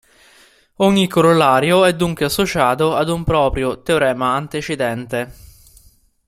Ogni corollario è dunque associato ad un proprio "teorema antecedente".